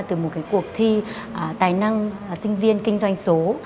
từ một cuộc thi tài năng sinh viên kinh doanh số